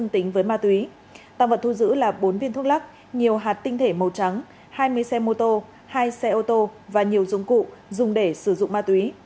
tăng vật thu giữ là bốn viên thuốc lắc nhiều hạt tinh thể màu trắng hai mươi xe mô tô hai xe ô tô và nhiều dụng cụ dùng để sử dụng ma túy